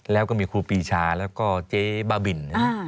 แล้วก็มีครูปีชาแล้วก็เจ๊บ้าบิน